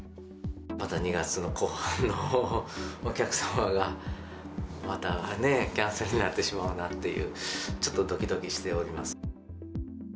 また２月の後半のお客様が、またキャンセルになってしまうなっていう、ちょっとどきどきしております。